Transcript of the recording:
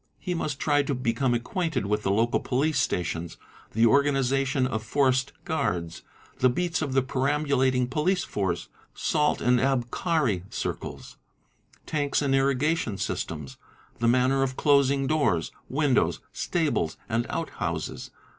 He must try to become acquainted with the local police 'stations, the organisation of forest guards, the beats of the preambulating Police force, salt and abkari circles, tanks and irrigation systems, the ae eae td ae, : 38 THE INVESTIGATING OFFICER manner of closing doors, windows, stables, and outhouses.